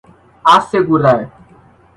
assegurar